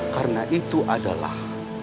karena itu adalah